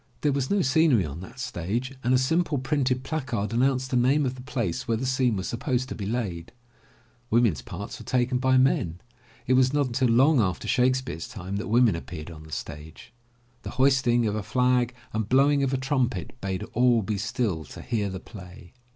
There was no scenery on that stage and a simple printed placard announced the name of the place where the scene was sup posed to be laid. Women's parts were taken by men. It was not i6o THE LATCH KEY until long after Shakespeare's time that women appeared on the stage. The hoisting of a flag and blowing of a trumpet bade all be still to hear the play.